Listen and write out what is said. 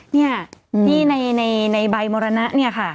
เนี่ยที่ในใบมรณะเนี่ยค่ะ